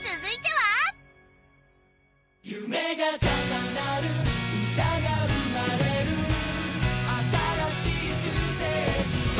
「夢がかさなる歌が生まれる」「新しいステージへ」